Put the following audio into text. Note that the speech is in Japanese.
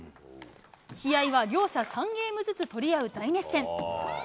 試合は両者３ゲームずつ取り合う大熱戦。